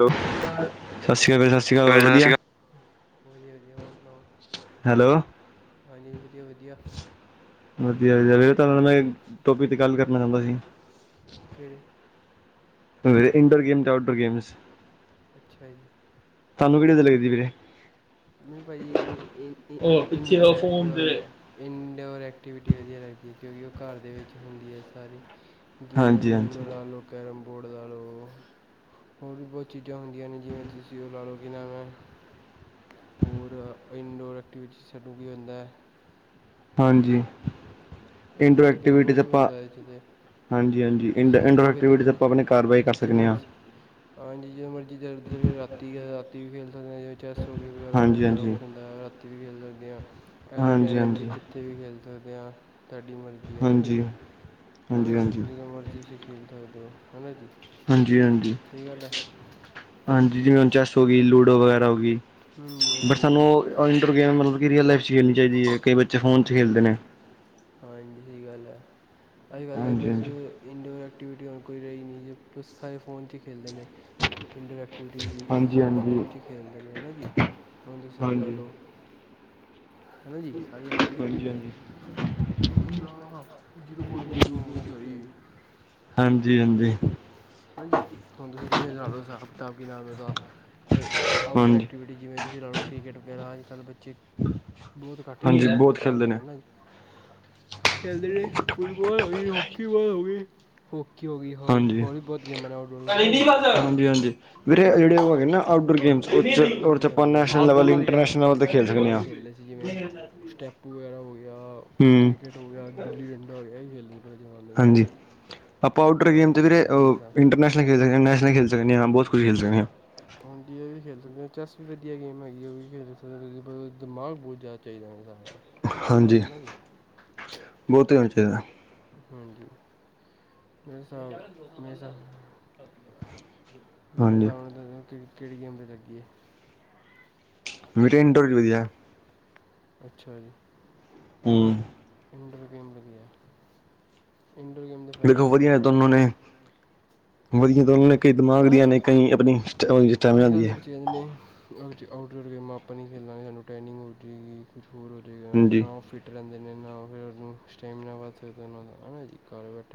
Hello ਸਸ ਸ੍ਰੀ ਕਾਲ ਭ ਸਸ ਸ੍ਰੀ ਕਾਲ ਹੋਰ ਵਧੀਆ। ਵਧੀਆ-ਵਧੀਆ ਹੋਰ ਸੁਣਾਓ ਹਾਂਜੀ ਵਧੀਆ-ਵਧੀਆ। ਵਧੀਆ ਤੁਹਾਡੇ ਨਾਲ ਮੈਂ ਇੱਕ ਟੋਪਿਕ ਤੇ ਗੱਲ ਕਰਨਾ ਚਾਹੁੰਦਾ ਸੀ। ਕੇੜੇ? ਇੰਡੋਰ ਗੇਮ ਤੇ ਆਊਟਡੋਰ ਗੇਮਸ। ਅੱਛਾ ਜੀ। ਵੀਰੇ। ਮੈਨ ਭਾਜੀ ਇੰ ਇੰ ਇੰਡੋਰ ਐਕਟਿਵਾ ਇੰਡੋਰ ਐਕਟੀਵਿਟੀ ਵਧੀਆ ਲੱਗਦੀ ਏ। ਕਿਉਂਕਿ ਉਹ ਘਰ ਦੇ ਵਿੱਚ ਹੁੰਦੀ ਹੈ ਸਾਰੀ ਜਿਵੇਂ ਤੁਸੀ ਲੂੜੋ ਲਾ ਲਓ, ਕੈਰਮ ਬੋਰਡ ਲਾ ਲਉ ਹੋਰ ਵੀ ਬੋਤ ਚੀਜ਼ਾਂ ਹੁੰਦੀਆਂ ਨੇ ਜਿਵੇਂ ਤੁਸੀਂ ਉਹ ਲਾ ਲਓ ਕਿ ਨਾਮ ਏ ਹੋਰ ਇੰਡੋਰ ਐਕਟੀਵਿਟੀ [unintelligible] ਵੀ ਹੁੰਦਾ। ਹਾਂਜੀ। ਬੋਤ ਗੇ ਬੋਤ ਹੁੰਦਾ ਐ ਇਹਦੇ ਚ ਤੇ। ਹਾਂਜੀ-ਹਾਂਜੀ ਇੰਡ ਇੰਡੋਰ ਐਕਟਿਵਿਟੀ ਤੇ ਆਪਾਂ ਆਪਣੇ ਘਰ ਬੈ ਕੇ ਕਰ ਸਕਨੇ ਹਾ। ਹਾਂਜੀ ਜਦੋਂ ਮਰਜੀ ਜੇ ਜੇ ਰਾਤੀ ਅ ਰਾਤੀ ਵੀ ਖੇਲ ਸਕਦੇ ਹਾ ਜਿਵੇਂ ਚੈਸ ਹੋ ਗਈ ਵਗੈਰਾ ਬੋਤ ਸਾਰਾ ਕੁਛ ਹੁੰਦਾ ਹੈ ਰਾਤੀ ਵੀ ਖੇਲ ਸਕਦੇ ਹਾ। ਐਨੀ ਟਾਈਮ ਐਥੇ ਕਿੱਥੇ ਵੀ ਖੇਲ ਸਕਦੇ ਹਾਂ। ਤੁਹਾਡੀ ਮਰਜ਼ੀ ਹੈਨਾ ਜੀ, ਹੈਨਾ ਜੀ ਜਦੋਂ ਮਰਜ਼ੀ ਤੁਸੀ ਖੇਲ ਸਕਦੇ ਹੋ ਹੈਨਾ ਜੀ। ਹਾਂਜੀ-ਹਾਂਜੀ, ਹਾਂਜੀ ਜਿਵੇਂ ਹੁਣ ਚੈਸ ਹੋਗੀ, ਲੂਡੋ ਵਗੈਰਾ ਹੋਗੀ। ਬਟ ਸਾਨੂੰ ਇਨਡੋਰ ਗੇਮ ਮਤਲਬ ਕਿ ਰੀਅਲ ਲਾਈਫ ਚ ਖੇਲਣੀ ਚਾਹੀਦੀ ਏ। ਕਈ ਬੱਚੇ ਫੋਨ ਚ ਖੇਲਦੇ ਨੇ। ਹਾਂਜੀ ਸਹੀ ਗੱਲ ਏ। ਆ ਈ ਗੱਲ ਏ ਬਸ ਇੰਡੋਰੈ ਐਕ ਵਿਡਿਓ ਹੁਣ ਕੋਈ ਰਹੀ ਨਈ ਜੀ ਸਾਰੇ ਫੋਨ ਚ ਈ ਖੇਲਦੇ ਨੇ ਇੰਡਰਐਕਟ ਐਕਟਿਵਿਟੀ ਜੀ ਸਾਰੇੇ ਫੋਨ ਚ ਹੀ ਖੇਲਦੇ ਨੇ ਹੈਨਾ ਜੀ। ਹੁਣ ਤੁਸੀ ਹਸਾਬ ਲਾ ਲਓ। ਹਾਂਜੀ ਹਾਂਜੀ। ਓਨੂੰ ਚਲਾ ਜੀਰੋ ਪੁਆਇੰਟ ਈ ਓ ਹੁਸ਼ਿਆਰੀ। ਹਾਂਜੀ ਹਾਂਜੀ। ਹਾਂਜੀ ਹੁਣ ਤੁਸੀਂ ਜਿਵੇਂ ਲਾ ਲਓ ਹਿਸਾਬ ਕਿਤਾਬ ਕੀ ਨਾਮ ਏ ਓਦਾਂ। ਆਊਟਡੋਰ ਐਕਟੀਵਿਟੀ ਜਿਵੇਂ ਤੁਸੀਂ ਲਾ ਲਓ ਕ੍ਰਿਕੇਟ ਵਗੈਰਾ ਅੱਜ ਕੱਲ੍ਹ ਬੱਚੇ ਬੋਤ ਘੱਟ ਹੀ ਖੇਲਦੇ ਨੇ ਮੇਰੇ ਹਿਸਾਬ ਨਾਲ ਹੈਨਾ। ਖੇਲਦੇ ਰਹੇ ਫ਼ੁੱਟਬਾਲ ਹੋਗੀ ਹੋਕੀ ਬੋਲ ਹੋ ਗਈ। ਹੋਕੀ ਹੋ ਗਈ ਹੋਰ ਹੋਰ ਵੀ ਬਹੁਤ ਗੇਮਾਂ ਨੇ ਆਊਟਡੋਰ ਹੈਨਾ ਜੀ। ਵੀਰੇ ਓ ਜਿਹੜੇ ਓ ਹੈਗੇ ਨਾ ਆਊਟਡੋਰ ਗੇਮਸ ਓਸ ਚ ਓਸਚ ਆਪਾਂ ਨੈਸ਼ਨਲ ਲੈਵਲ ਇੰਟਰਨੈਸ਼ਨਲ ਲੈਵਲ ਤੇ ਖੇਡ ਸਕਨੇ ਆਂ। ਖੇਲੇਦੇ ਸੀ ਜਿਵੇਂ ਸਟੈਪੂ ਵਗੈਰਾ ਹੋ ਗਿਆ, ਕ੍ਰਿਕੇਟ ਹੋ ਗਿਆ, ਗਿੱਲੀ ਡੰਡਾ ਹੋ ਗਿਆ ਏ ਈ ਖੇਲੇ। ਹਾਂਜੀ। ਆਪਾਂ ਆਊਟਡੋਰ ਗੇਮ ਤੇ ਵੀਰੇ ਅ ਇੰਟਰਨੈਸ਼ਨਲ ਖੇਡ ਸਕਨੇ ਆਂ ਨੈਸ਼ਨਲ ਖੇਡ ਸਕਨੇ ਤੇ ਹਾ ਬੋਤ ਕੁਝ ਖੇਲ ਸਕਨੇ ਹਾਂ। ਇਹ ਵੀ ਖੇਲ ਸਕਦੇ ਹੋ ਚੈਸ ਵੀ ਵਧੀਆ ਗੇਮ ਹੈਗੀ ਏ ਉਹ ਵੀ ਖੇਡ ਸਕਦੇ ਪਰ ਦਿਮਾਗ ਬੋਤ ਜ਼ਿਆਦਾ ਚਾਹੀਦਾ ਮੇਰੇ ਹਸਾਬ ਨਾਲ। ਹਾਂਜੀ ਬਹੁਤੇ ਹੋਣਾ ਚਾਹੀਦਾ। ਹਾਂਜੀ ਮੈਂ ਸਾ ਮੈਂ ਸਾ ਮੈਂ ਹਸਾਬ ਨਾਲ ਕ ਕੇਹੜੀ ਗੇਮ ਤੇ ਲੱਗੀਏ। ਮੀਟ ਇੰਡੋਰ ਵਧੀਆ। [inaudible] ਅੱਛਾ ਜੀ। ਹੂੰ। ਦੇਖੋ ਵਧੀਆ ਦੋਨੋ ਨੇ। ਵਧੀਆ ਦੋਨੋਂ ਨੇ ਕਈ ਦਿਮਾਗ ਦੀਆਂ ਨੇ ਕਈ ਅਪਣੀ ਸਟ ਔਈ ਸਟੈਮਨਾ ਦੀ ਐ। [inaudible] ਤੇ ਆਊਟਡੋਰ ਗੇਮਾਂ ਆਪਾਂ ਨਹੀਂ ਖੇਲਾਂਗੇ ਸਾਨੂੰ ਟੇਨਿੰਗ ਹੋ ਜੇਗੀ ਕੁਛ ਹੋਰ ਹੋ ਜੇਗਾ ਨਾ ਓਹ ਫਿੱਟ ਰਹਿੰਦੇ ਨਾ ਫੇਰ ਅਗੋ ਸਟੈਮੀਨਾ ਵਧ ਸਕਦਾ ਹੈਨਾ ਜੀ।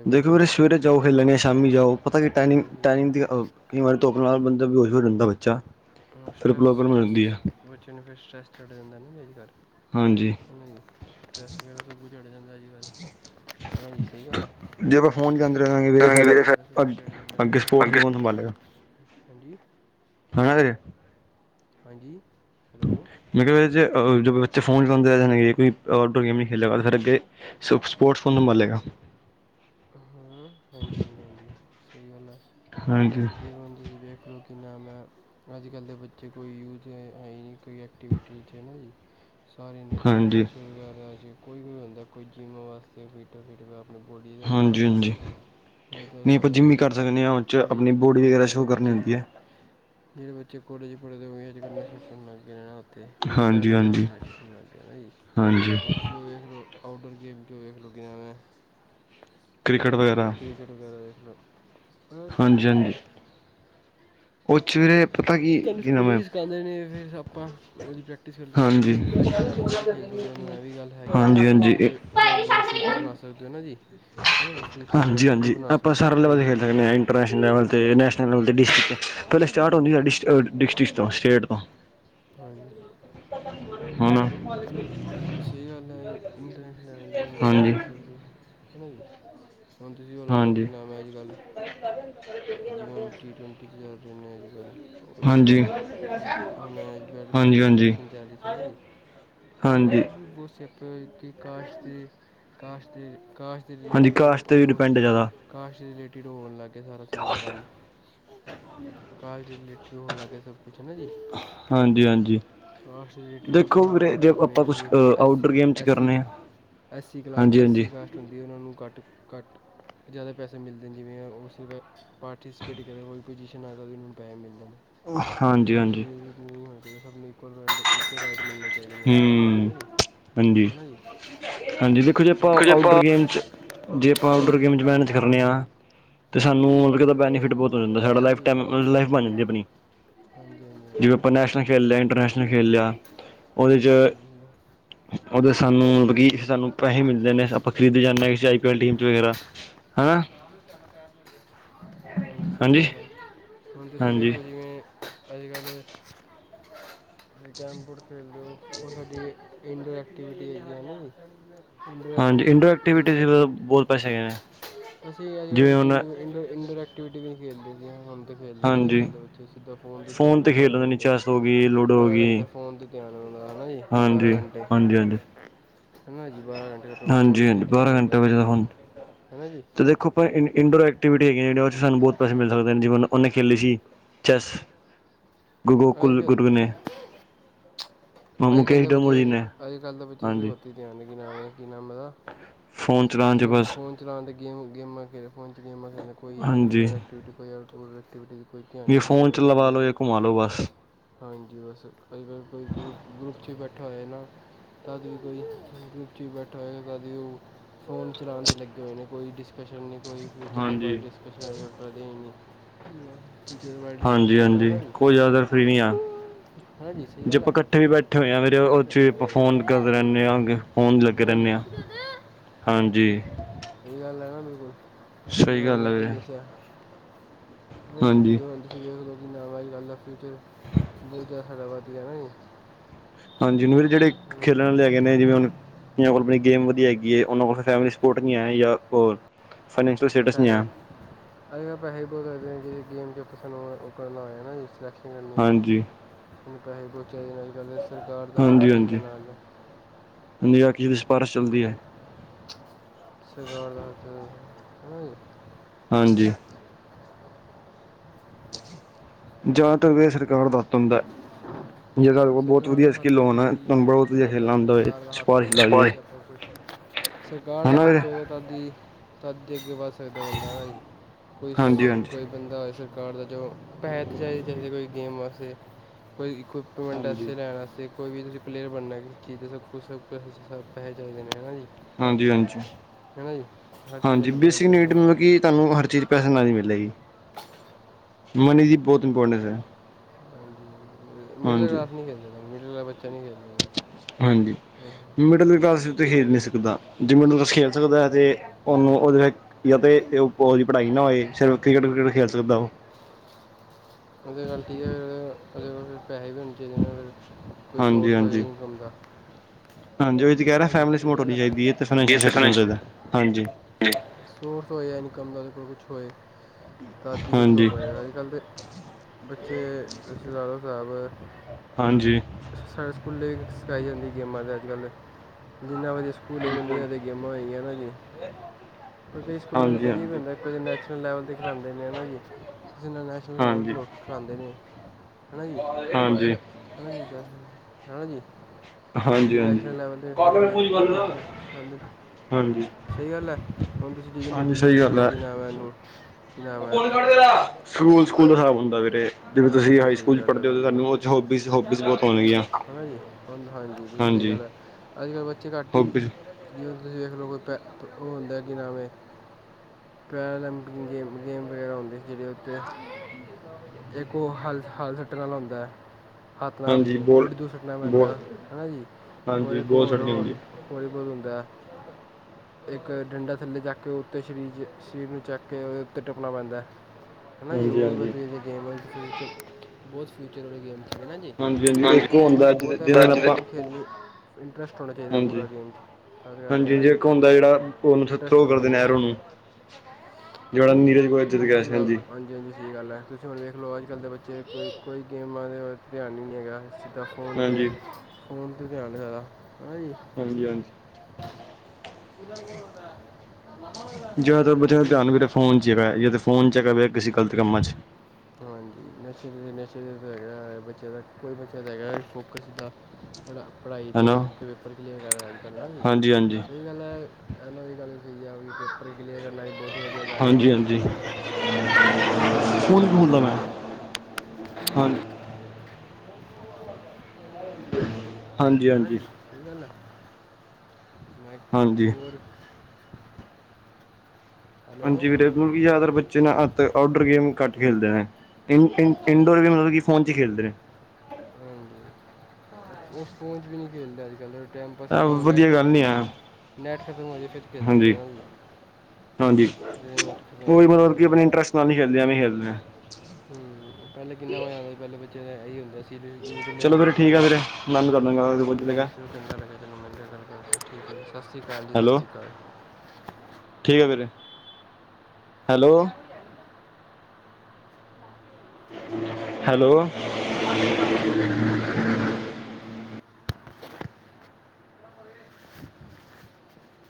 ਦੇਖੋ ਵੀਰੇ ਸਵੇਰੇ ਜਾਓ ਖੇਲਨ ਯਾ ਸ਼ਾਮੀ ਜਾਓ ਪਤਾ ਨੀ ਟੈਨਿੰਗ ਟੈਨਿੰਗ ਦੀ ਅ ਕਈ ਵਾਰੀ ਧੂਪ ਨਾਲ ਬੰ ਬੇਹੋਸ਼ ਹੋ ਜਾਂਦਾ ਬੱਚਾ। ਅ ਸ੍ਟ੍ਰੈਸ ਸ੍ਟ੍ਰੈਸ ਬੱਚੇਆਂ ਨੂੰ ਫੇਰ ਸਟ੍ਰੈਸ ਚੜ ਜਾਂਦਾ ਨ ਏਦੇ ਕਰਕੇ। ਹੈਨਾ ਜੀ ਸ੍ਟ੍ਰੈਸ ਚੜ ਜਾਂਦਾ ਏ ਜੀ ਕੱਲ ਹੈਨਾ ਜੀ ਸਹੀ ਗੱਲ ਏ। ਜੇ ਆਪਾਂ ਫੋਨ ਚਲਾਂਦੇ ਰਹਾਂਗੇ ਵੀਰੇ ਫੇਰ ਅਗ ਅੱਗੇ ਸਪੋਰਟਸ ਨੂੰ ਕੋਣ ਸੰਭਾਲੇਗਾ? ਹਾਂਜੀ। ਹਏ। ਹਾਂਜੀ। ਮੈਂ ਕਿਹਾ ਜ ਅਵਲ [inaudible] ਅਤੇ ਫੋਨ ਚਉ ਕੋਈ, ਆਊਟਡੋਰ ਗੇਮ ਨੀ ਖੇਲੇਗਾ। ਫਿਰ ਅੱਗੇ ਸਪੋਰਟਸ ਫੋਨ ਨੰ ਮਰ ਲਗਾ। [inaudible] [inaudible] [inaudible] ਸਹੀ ਗੱਲ [inaudible] ਜੀ, ਵੰ ਤੁ ਜ ਬਖ ਰੱਖ। [unintelligible] ਕਿ ਅੱਜ ਕੱਲ ਦੇ ਬੱਚੇ ਕੋਈ ਯੂਜ਼ ਹੈ ਈ ਨਹੀਂ, ਕੋਈ ਐਕਟੀਵਿਟੀ 'ਚ ਹੈ। ਨਾ ਜੀ ਸਾਰੇ ਨਸ਼ੇ -ਨਸ਼ੇ ਵਗੈਰਾ ਜੇ ਕੋਈ ਵੀ ਹੁੰਦਾ। ਕੋਈ ਜਿੰਮ ਵਾਸਤੇ ਫਿੱਟ ਫਿੱਟ ਮ ਬੋਡੀ ਦੇ [inaudible] ਨਹੀਂ, ਤਾਂ ਅੱਜ ਕੱਲ ਯੂਥ ਕੋਲਜ ਬੱਚੇ ਪੜ੍ਹਦੇ। ਜਿਹੜੇ ਬੱਚੇ ਜਿਹੜੇ ਬੱਚੱ ਕਲੇਜ ਪੜਦੇ ਹੈਕਰ ਸ਼ ਨਾ [inaudible] ਅਤੇ ਬਹੁਤ ਜ਼ਿਆ ਨਸ਼ਾਉਦਾ ਇੱ ਜੱਗਦਾ ਜੀ, ਹੁਣ ਤੁਸੀਂ ਉਹਦੇ ਚ ਦੇਖ ਲਓ। [inaudible] ਆਊਟਡੋਰ ਗੇਮ ਵਿਚ, ਮੈਂ ਲੱਗਿਆਂ ਹੋਇਆਂ ਹੈ। ਕ੍ਰਿਕੇਟ ਵਗੈਰਾ ਵੇਖ ਲੋ। ਹਾਂਜੀ -ਹਾਂਜੀ, ਉਹ ਚ ਵੀਰੇ ਤੁਹਾਨੂੰ ਸਕੂਲ ਵੀ ਸਿਖਾਉਂਦੇ ਨੇ, ਫਿਰ ਆਪਾਂ ਉਹਦ ਇੰਟਰਨੈਸ਼ਨਲ ਲੈਵਲ 'ਤੇ ਵੀ ਖੇਲ ਸਕਦੇ ਨੇ। ਇਹ ਵੀ ਗੱਲ ਹੈਗੀ ਏ। ਤੁਸੀਂ ਉਹਨਾਂ ਆਪਣਾ ਫਿਊਚਰ ਬਣਾ ਸ ਹੋ ਨਾ ਜੀ। ਹਾਂਜੀ -ਹਾਂਜੀ। ਆਪਾਂ ਸਾਰਾ ਲੈਵਲ ਤੇ ਖੇਡ ਸਕਦੇ ਹਾਂ। ਇੰਟਰਨੈਸ਼ਨਲ ਲੈਵਲ ਤੇ ਨੈਸ਼ਨ। ਗੱਡੀ ਸਟਾਰਟ ਹੋ ਗਈ। ਡਿਸਟ੍ਰਿਕ ਤੋਂ ਸਟੇਟ ਤੋਂ। ਹੁ। ਸਹੀ ਗੱਲ ਹੈ। ਇੰਟਰਨੈਸ਼ਨਲ ਲੈਵਲ ਦੀ ਹਣ ਜ ਕਰ ਸਕਦੇ ਹੈ ਨਾ ਜੀ। ਹੁਣ ਤੁਸੀਂ ਬ ਲ ਲਓ ਕੀ ਨਾਮ ਹੈ? ਅੱਜ ਕੱਲ। ਜੇ ਆ ਅਜੱ ਲ। ਉਹਦੇ ਵਿੱਚ ਹੁਣ ਨਜ਼ਾਰਾ ਬੈਟਬਾਲ ਦੀ ਸਿਲੈਕਸ਼ਨ ਚ ਜਾਰੀ ਰਹੀ ਸੀ ਨਾ ਜੀ। ਹਾਂ ਜੀ। ਸਪ ਕੀ ਕਾਸ਼ ਦੀ ਕਾਸ਼ਟ ਦੀ। ਕਾਸ਼ ਦੇ ਰਿਲੇਟਿਡ ਹੋ, ਹੋ, ਹੋਣ। ਕਾਸ਼ ਦੇ ਰਿਲੇਟਿਡ ਹੋਣ ਲੱਗ ਗਿਆ। ਸਾਰਾ ਸਮਾਨ ਕੰਮ। ਕਾਜ ਦੇ ਰਿਲੇਟਿਡ ਵੀ ਹੋਣ ਲੱਗ ਗਿਆ ਏ ਸਭ ਕੁਛ ਹਨ। ਨਾ ਜੀ ਕਾਸਟ ਦੇ ਰਿਲੇਟਿਡ, ਸਭ ਕੁਛ ਹੋਣ ਲੱਗ ਗਿਆ। ਜਿਵੇਂ ਤੁਸੀਂ ਦੇਖ ਲਓ! S C, S C. SC class, SC caste ਹੁੰਦੀ ਹੈ। ਉਹਨਾਂ ਨੂੰ ਘੱਟ -ਘੱਟ। ਜ਼ਿਆਦਾ ਪੈਸੇ ਮਿਲਦੇ ਨੇ। ਜਿਵੇਂ ਉਹ ਪਾਰਟੀਸਪੇਟ ਕਰਕੇ, ਕੋਈ ਪੁਜੀਸ਼ਨ ਆ ਜਾਂਦਾ। ਉਹਨਾਂ ਨੂੰ ਪੈਸੇ ਮਿਲਦੇ ਨ। ਹਾਂਜੀ -ਹਾਂਜੀ। ਜੀ ਹਾਂਜੀ -ਹਾਂਜੀ ਦੇਖੋ, ਜੇ ਆਪਾਂ ਆਊਟਡੋਰ ਗੇਮ ਚ ਜੇ। ਪਾਉਡਰ ਗੇਮ ਮੈਨੇਜ ਕਰਨੇ ਆ, ਤੇ ਸਾਨੂੰ ਮਤਲਬਦਾ ਬੈਨੀਫਿਟ ਬਹੁਤ। ਲਾਈਫ ਟਾਈਮ ਲਾਈਫ ਬਣ ਜਾਂਦੀ, ਆਪਣੀ ਜਿਵੇਂ ਆਪਾਂ ਨੈਸ਼ਨਲ ਖੇਡ ਲਿਆ ਇੰਟਰਨੈਸ਼ਨਲ। ਨ ਖੇਲਿਆ ਉਹਦੇ ਚ ਉਹਦੇ ਸਾਨੂੰ ਮਤਲਬ ਕਿ, ਸਾਨੂੰ। ਪੈਹੇ ਮਿਲ ਦੇ ਨੇ ਆਪਾਂ ਖਰੀਦਦੇ ਜਾਂਦੇ ਹਾਂ, ਕਿਸੇ ਆਈ ਪੀ ਐਲ ਟੀਮ ਚ ਵਗੈਰਾ। ਹਾਂਜੀ। ਸਹੀ ਗੱਲ ਹੈ। ਹੁਣ ਤੁਸੀਂ ਦੇਖ ਲਓ, ਜਿਵੇਂ ਅਜ ਕੱਲ। ਤੁਸੀਂ ਕੈਰਮਬੋਰਡ ਖੇਲਦੇ ਹੋ, ਸਾਡੀ ਇੰਡੋਰ ਐਕਟਵਿਟੀਆਂ ਹੈ ਨ। ਹਾਂਜੀ, ਇੰਡੋਰ ਐਕਟੀਵਿ ਦੇ ਬਹੁਤ ਪੈਸਾ ਹੈਗੇ ਨ। ਅਸੀਂ ਅੱਜ ਕੱਲ੍ਹ ਬੇ ਇੰਡ, ਇਡੋ, ਇਨਡੋ ਐਕਟੀਿਟੀ ਵੀ ਖੇਡਦੇ ਹੁ। ਬੂ ਖੇਲਦੇ ਨੇ ਅੱਜ ਕੱਲ ਦੇ ਬੱਚੇ ਸਿੱਧਾ ਫੋਨ ਦੀ ਧਿਆਨ ਨੇ, ਬਾਰਾਂ ਘੰਟੇ। ਬਾਰ੍ਹਾਂ ਘੰਟੇ ਫੋਨ ਦੀ ਧਿਆਨ। ਹਾਂਜੀ, ਹਾਂਜੀ, ਹਾਂਜੀ। ਹਨਾ ਜੀ। ਬਾਰਾਂ ਘੰਟੇ ਫੋਨ ਤੇ ਧਿਆਨ ਆਉਂਦਾ, ਹਨਾ ਜੀ। ਇਨਡੋਰ ਐਕਟੀਵਿਟੀ ਹੈਗੀ ਜਿਸ ਚ ਸਾਨੂੰ ਬਹੁਤ ਪੈਸੇ ਮਿਲ ਸਕਦੇ ਨੇ। ਜਿਂਵੇਂ ਉਹਨੇ ਖੇਲੇ ਸੀ। ਚਸ ਗੁਰੂਕੁਲ ਗੁੁਰਗਣੇੇ। ਅੱਜ-ਕੱਲ੍ਹ ਦੇ ਬੱਚੇ ਅੱਜ-ਕੱਲ੍ਹ ਦੇ ਬੱਚੇ। ਕਿਨਾ ਮਤਾ ਸਿਰਫ਼ ਫੋਨ ਚਲਾਉਣ ਤੇੇਮ ਗੇਮਾਂ ਖੇਡਣ ਫੋਨ ਚ ਗੇਮਾਂ ਖੇਣ। ਈ ਇੰਡੋਰ ਐਕਟੀਵਿਟੀ ਕੋਈ ਆਊਟਡੋਰ ਐਕਟੀਵਿਟੀ। ਵੀ ਫੋਨ ਚ ਲਵਾ ਲੋੋ ਜਾਂ ਘੁੰਮਾ ਲੋ ਬਸ। ਹਾਂਜੀ ਬਸ ਅਜ ਕੱਲ ਕੋਈ ਗਰੁੱਪ, ਗਰੁੱਪ ਚ ਬੈਠਾ ਹੋਇਆ ਨਾ। [unintelligible] [unintelligible] ਫੋਨ ਚਲਉਣਦੇ ਲੱਗੇ ਹੋਏ ਨੇ ਕੋਈ ਡਿਸਕਸ਼ਨ ਨਹੀਂ ਕੋਈ ਫਿਊਚਰ ਦੇ ਬਾਰੇ ਡਿਸਕਸ਼ਨ ਅਜ ਕੱਲ ਕਦੇ ਨਹੀਂ। ਫ ਜ ਉਹਦੇ ਬਾਰੇ ਡਿਸਕਸ਼ਨ ਕਰਨਾ ਨਾ ਜੀ [unintelligible] ਗਨੀਆਂ। ਹਾਂਜੀ। ਜੇ ਆਪਾਂ ਇਕੱਠੇ ਵੀ ਬੈਠੇ ਹੋਏ ਹਾਂ ਫੇਰੇ ਉਹ ਚ ਵੀ ਆਪਾਂ ਫੋਨ ਕਰ ਰਹਿੰਦੇ ਹਾਂ ਅੱ ਫੋਨ ਲੱਗੇ ਰਹਿੰਦੇ ਹਾਂ। ਹਾਂਜੀ। ਇਹ ਗੱਲ ਹੈ ਨਾ ਬਿਲਕੁਲ। [unintelligible] [unintelligible] [unintelligible] [unintelligible] [unintelligible] ਹਾਂਜੀ ਜਿਹੜੇ ਖੇਲਣ ਆਲੇ ਹੈਗੇ ਨੇ ਜਿਵੇਂ ਹੁਣ। ਜਿਨਾਂ ਕੋਲ ਆਪਣੀ ਗੇਮ ਵਧੀਆ ਹੈਗੀ ਹੈ ਉਹਨਾਂ ਕੋਲ ਫੈਮਲੀ ਸਪੋਰਟ ਨਹੀਂ ਹੈ ਜਾਂ ਹੋ। ਪੈਸੇ ਅੱਜ ਕੱਲ ਪੈਸੇ ਬਹੁਤ ਲੱਗਦੇ ਗੇਮ ਚ ਆਪਾਂ ਸਾਨੂੰ। ਨੂੰ ਪੈਸੇ ਪੂਜੇ ਚਾਹੀਦੇ ਨੇ ਅੱਜ ਕੱਲ੍ਹ ਸਰਕਾਰ ਦਾ ਹੱਥ ਚੱਲਦਾ ਨਾਲ। ਹਾਂਜੀ। [unintelligible] [unintelligible] ਹਾਂਜੀ। ਜਾਂਤਾ ਸਰਕਾਰ ਦਾ ਹੱਥ ਹੁੰਦਾ। ਜੇਤੁਹਾਡੇ ਕੋਲ ਬਹੁਤ ਵਧੀਆ ਸਕਿਲ ਹੋਣ ਤੁਹਾਨੂੰ ਬਹੁਤ ਵਧੀਆ ਖੇਲਣਾ ਹੁੰਦਾ ਸਿਫਾਰਸ਼ ਦਾ ਵੀ। ਸਰਕਾਰ ਦਾ ਹੱਥ ਹੋਏ ਤਦੀ। ਤਦ ਹੀ ਅੱਗੇ ਵੱਧ ਸਕਦਾ ਬੰਦਾ ਨਾ ਜ ਕੋਈ ਕੋਈ ਬੰਦਾ ਆਦਾ। ਸਰਕਾਰ ਦਾ ਚੋਂ ਪੈਸੇ ਤਾਂ ਚਾਹੀਦੇ ਜਿਵੇ ਗੇਮ ਵਾਸਤੇ ਕੋਈ। [unintelligible] [unintelligible] [unintelligible] [unintelligible] ਹਾਂਜੀ-ਹਾਂਜੀ, ਹਾਂਜੀ ਬੇਸਿਕ ਨੀਡ ਨਾਲ ਕਿ ਤਹਾਨੂੰ ਹਰ ਚੀਜ਼ ਪੈਸੇ ਨਾਲ ਹੀ ਮਿਲ। ਮਨੀ ਦੀ ਬਹੁਤ ਇੰਪੋਰਟੈਂਸ ਹੈ। ਮਿਡਲ ਕਲਾਸ ਨਹੀਂ। ਹਾਂਜੀ, ਮਿਡਲ ਕਲਾਸ ਵਿੱਚਤੇ ਹੇਰ ਨੀ ਸਕਦਾ। ਜਿਵੇਂ ਨੂੰਸ ਖੇਲ ਸਕਦਾ ਹੈ ਤੇ ਉਹਨੂੰ ਉਹਦੇ ਵਿੱਚ ਜਾਂ ਤਾਂ ਉਹਦੀ ਪੜ੍ਹਾਈ ਨਾ ਹੋਏ ਸਿਰਫ ਕ੍ਰਿ। ਕ੍ਰਿਕਟ ਖੇਲ ਸਕਦਾ ਉਹ। ਉਹਦੇ ਗੱਲ ਠੀਕ ਹੈ ਉਹਦੇ ਕੋਲ ਫਿਰ ਪੈਸੇ ਵੀ ਹੋਣੇ ਚਾਹੀਦੇ। ਕੋਈ ਸੋਰਸ ਹੋਏ ਇਨਕਮ ਦਾ [unintelligible] [unintelligible] ਸੋਰਸ ਹੋਏਆ ਇਨਕਮ ਦਾ ਕੋਈ ਕੁਛ ਹੋਏ। ਦਾਦੀ ਕੁਛ ਹੋ ਪਾਏਗਾ ਅੱਜ ਕੱਲ੍ਹ ਦੇ ਬੱਚੇ ਲਾਲੋ ਸਾਬ। ਸਾਡੇ ਸਕੂਲੇ ਸਿਖਾਈ ਜਾਂਦੀ ਗੇਮਾਂ ਤੇ ਅਜ ਕੱਲ ਤੇ। ਜਿੰਨਾ ਬਜੇ ਸਕੂਲ ਉਨੀਆਂ ਜ਼ਿਆਦਾ ਗੇਮਾਂ ਹੋਈਆਂ ਨਾ ਜੀ। ਕੋ ਕਈ ਸਕੂਲਾਂ ਚ ਵਧੀਆ ਵੀ ਹੁੰਦਾ ਨੈਸ਼ਨਲ ਲੈਵਲ ਤੇ ਖਿਲਾਂਦੇ ਨੇ ਜੀ। ਵਡੇ ਸਕੂਲ ਚ ਵਧੀਆ ਰਹਿੰਦਾ ਨੈਸਨਲ ਲੈਵਲ ਤੇ ਖਿਲਾਂਦੇ ਨੇ ਹੈ ਨਾ ਜੀ। ਹੈ ਜੀ? ਕਿਸੇ ਨੈਸ਼ਨਲ ਲੈਵਲ। [unintelligible] ਸਹੀ ਗੱਲ ਹੈ ਹੁਣ ਤੁਸੀਂ ਜਿਦੀ ਮਰਜੀ ਦੇਖ ਲਓ ਕਿ ਨਾਮ ਇਹਨੂੰ। [unintelligible] [unintelligible] ਹਿਸਾਬ ਹੁੰਦਾ ਵੀਰੇ ਜਿਵੇਂ ਤੁਸੀਂ ਹਾਈ ਸਕੂਲ ਚ ਪੜ੍ਹਦੇ ਹੋ ਤੁਹਾਨੂੰ ਉਹ ਹੋਬੀ ਹੋਬੀਜ਼-ਹੋਬੀਜ਼ ਬਹੁਤ ਆਣਗੀਆਂ। ਹਾਂਜੀ ਬਿਲਕੁਲ ਸਹੀ ਗੱਲ ਹੈ, ਅੱਜ-ਕੱਲ੍ਹ ਬੱਚੇ ਘੱਟ ਹੀ ਜਿਵੇ। ਤੁਸੀਂ ਦੇਖ ਲਓ ਕੋਈ ਉਹਦਾ ਹੁੰਦਾ ਕਿ ਨਾਮ ਏ? ਪੈਰਲੰਪਿਕ ਗੇਮ ਗੇਮ ਵਗੈਰਾ ਹੁੰਦੇ ਜਿੜੇ ਉੱਥਤੇ। ਇੱਕ ਉਹ ਹਲ ਹੱਲ ਸੱਟਣ ਵਾਲਾ ਹੁੰਦਾ ਹੈ। ਹੱਥ ਨਾਲ ਵੱਡੀ ਦੂਰ ਸੁੱਟਣਾ ਪੈਂਦਾ ਹੈਨਾ ਜੀ ਹੋਰ ਇੱਕ ਹੋਰ ਹੋਰ ਵੋਲੀ ਬੋਲ ਹੁੰਦਾ। [unintelligible] ਇੱਕ ਡੰਡਾ ਥੱਲੇ ਚੱਕ ਕੇ ਉੱਤੇ ਸਰੀਰ ਸਰੀਰ ਨੂੰ ਚੱਕ ਕੇ ਉਹਦੇ ਉੱਤੇ ਟੱਪਣਾ ਪੈਂਦਾ ਹੈ। ਹਾਂਜੀ ਹਾਂਜੀ। ਗੇਮਾਂ ਵਿਚ ਫਿਊਚਰ ਬਹੁਤ ਫਿਊਚਰ ਵਾਲੇ ਗੇਮ। ਜੀ ਗੇਮਾਂ ਤੇ ਬਹੁਤ ਹੈ ਖੇਲੜ ਤੇ ਇੰਟਰਸਟ ਹੋਣਾ ਚਾਹੀਦਾ ਪੂਰਾ ਗੇਮ ਚ। ਹਾਂਜੀ ਹ ਜੇ ਇੱਕ ਹੁੰਦਾ ਜਿਹੜਾ ਉਹਨੂੰ ਥਰੋ ਕਰਦੇ ਐਹਿਰੋ ਨੂੰ। ਹੈਨਾ ਜੀ ਹੁਣ ਤੁਸੀਂ ਹਾਂਜੀ ਹਾਂਜੀ ਸਹੀ ਗੱਲ ਹੈ ਤੁਸੀਂ। ਦੇਖ ਲਓ ਅੱਜ ਕੱਲ ਦੇ ਬੱਚੇ ਕੋਈ ਗੇਮਾਂ ਦੇ ਧਿਆਨ ਨਹੀਂ ਹੈਗਾ। ਸਿੱਦਾਂ ਫੋਨ 'ਤੇ ਫੋਨ 'ਤੇ ਧਿਆਨ। ਹਾਂਜੀ ਹਾਂਜੀ। [unintelligible] [unintelligible] ਜ਼ਿਆਦਾਤਰ ਬੱਚਿਆਂ ਦਾ ਧਿਆਨ ਨਾ‌ ਫੋਨ ਚ ਹੈਗਾ ਜ ਫੋਨ ਚ ਹੈਗਾ ਜੇ ਕਿਸੇ ਗ਼ਲਤ ਕੰਮਾਂ ਚ। ਹਾਂਜੀ ਨਸ਼ੇ ਦੇ ਨਸ਼ੇ ਦੇ। ਬੱਚੇ ਦਾ ਕੋਈ ਬੱਚੇ ਦਾਗਾ ਫੋਕਸਦਾ। ਪੜ੍ਹ ਪੜ੍ਹਾਈ ਦੇ ਵਿੱਚ ਕੋਈ [inaudible] ਕੋਈ ਪੇਪਰ ਕਲੀਅਰ ਕਰ ਕਰਨਾ ਜੀ ਸਹੀ ਗੱਲ ਹੈ ਐਨਾਂ ਦੀ ਗੱਲ ਆਪ ਪੇਪਰ ਕਲੀਅਰ ਕਰਨਾ ਬਹੁਤ ਹੀ ਵਧੀਆ ਗੱਲ ਹੈ ਨਾ ਜੀ ਹੈ ਨਾ ਜੀ। [unintelligible] ਹੈ ਨਾ ਜੀ ਸਹੀ ਗੱਲ ਹੈ? ਹਾਂਜੀ। ਹਾਂਜੀ ਵੀਰੇ ਹੁਣ ਵੀ ਜ਼ਿਆਦਾਤਰ ਬੱਚੇ ਨਾ ਆੳਟਡੋਰ ਗੇਮ ਘੱਟ ਖੇਲਦੇ ਨੇ। ਇ ਇਨਡੋਰ ਵੀ ਮਤਲਬ ਕਿ ਫੋਨ ਚ ਖੇਲਦੇ ਨੇ। ਉਹ ਫੋਨ ਵਿੱਚ ਵੀ ਨਹੀਂ ਖੇਲਦੇ ਅਜ ਕਲ ਟਾਈਮਪਾਸ ਖਤਮ ਨੈਟ ਖਤਮ। ਖ਼ਤਮ ਹੋ ਜੇ ਫਿਰ ਖੇਲਦੇ ਹੈ ਨਾ‌ ਜੀ? ਹਾਂਜੀ ਕੋਈ ਮਤਲਬ ਕੀ ਆਪਣੇ ਇੰਟਰਸਟ ਨਾਲ ਨਹੀਂ ਖੇਲਦੇ ਐਵੇਂ ਖੇਲਦੇ। ਹਮ ਪਹਿਲੇ ਕਿੰਨਾ ਮਜ਼ਾ ਆਉਂ ਸੀ ਪਹਿਲੇ ਬੱਚੇ ਤਾਂ ਇਹੀ ਹੁੰਦੇ ਸੀ। ਚਲੋ ਫਿਰ, ਠੀਕ ਆ ਵੀਰੇ। [inaudible] ਸਤਿ ਸ਼੍ਰੀ ਅਕਾਲ ਜੀ, ਸਤਿ ਸ਼੍ਰੀ ਅਕਾਲ। ਠੀਕ ਆ ਵੀਰੇ ਹੈਲੋ? ਹੈਲੋ? [inaudible] [inaudible]